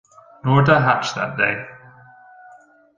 Norda hatched that day.